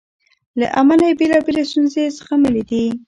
له امله یې بېلابېلې ستونزې زغملې دي.